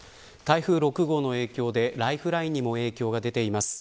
台風６号の影響でライフラインにも影響が出ています。